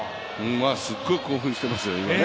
すっごい興奮していますよね、今。